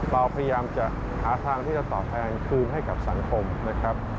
เราพยายามจะหาทางที่จะตอบแทนคืนให้กับสังคมนะครับ